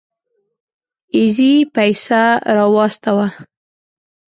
اېزي پيسه راواستوه.